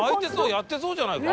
やってそうじゃないか？